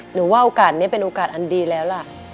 ว่าโอกาสนี้เป็นโอกาสอันดีแล้วล่ะ